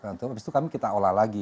habis itu kami kita olah lagi